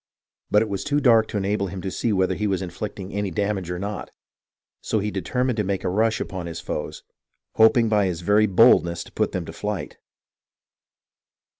But it was too dark to enable him to see whether he was inflict ing any damage or not, so he determined to make a rush upon his foes, hoping by his very boldness to put them to flight.